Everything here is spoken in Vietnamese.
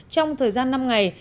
trong thời gian năm ngày